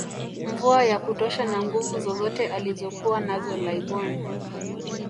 Mvua ya kutosha na Nguvu zozote alizokuwa nazo laibon